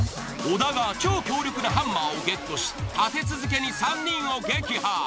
小田が超強力なハンマーをゲットし立て続けに３人を撃破。